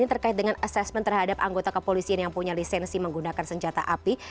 ini terkait dengan asesmen terhadap anggota kepolisian yang punya lisensi menggunakan senjata api